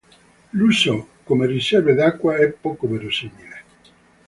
L'uso come riserve d'acqua è poco verosimile.